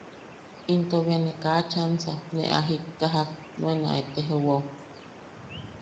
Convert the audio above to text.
Into be ne kaa chansa ne a jikkajak nuen a eteowa’u.